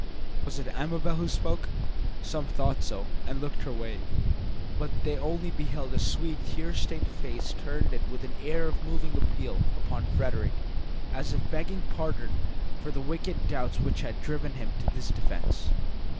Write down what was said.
Was it Amabel who spoke? Some thought so and looked her way, but they only beheld a sweet, tear stained face turned with an air of moving appeal upon Frederick as if begging pardon for the wicked doubts which had driven him to this defence.